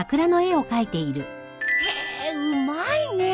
へえうまいねえ。